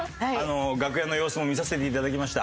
楽屋の様子も見させていただきました。